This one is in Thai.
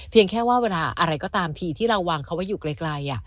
แค่ว่าเวลาอะไรก็ตามทีที่เราวางเขาไว้อยู่ไกล